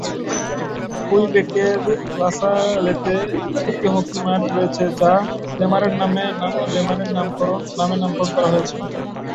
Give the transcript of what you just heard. কুইবেকের লাসালেতে একটি হকি মাঠ রয়েছে যা লেমারের নামে নামকরণ করা হয়েছে।